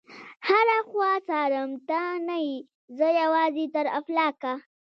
هره خوا څارم ته نه يې، زه یوازي تر افلاکه